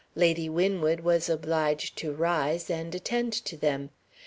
Lady Winwood was obliged to rise, and attend to them.